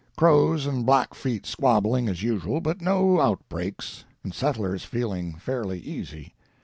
Crows and Blackfeet squabbling—as usual—but no outbreaks, and settlers feeling fairly easy.